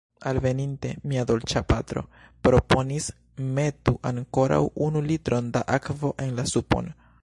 Alveninte, mia Dolĉapatro proponis: metu ankoraŭ unu litron da akvo en la supon.